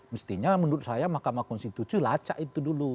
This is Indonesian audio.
mestinya menurut saya mahkamah konstitusi lacak itu dulu